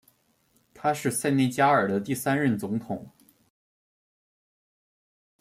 他是塞内加尔的第三任总统。